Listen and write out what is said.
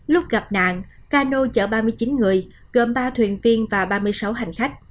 lúc gặp nạn ca nô chở ba mươi chín người gồm ba thuyền viên và ba mươi sáu người